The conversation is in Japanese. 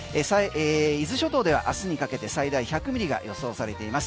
伊豆諸島ではあすにかけて最大１００ミリが予想されています。